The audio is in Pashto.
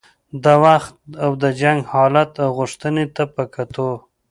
د وخت او د جنګ حالت او غوښتنې ته په کتو.